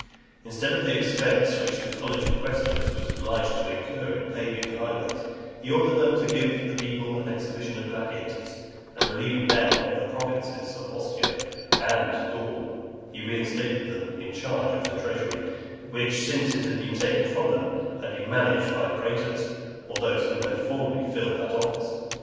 Instead of the expense which the college of quaestors was obliged to incur in paving the high ways, he ordered them to give the people an exhibition of gladiators; and relieving them of the provinces of Ostia and [Cisalpine] Gaul, he reinstated them in the charge of the treasury, which, since it was taken from them, had been managed by the praetors, or those who had formerly filled that office.